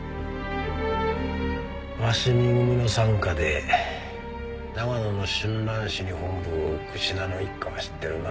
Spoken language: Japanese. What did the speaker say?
鷲見組の傘下で長野の春蘭市に本部を置く信濃一家は知ってるな？